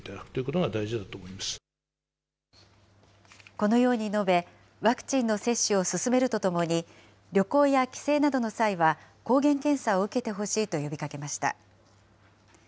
このように述べ、ワクチンの接種を進めるとともに、旅行や帰省などの際は、抗原検査を受けてほしいと呼びかけました。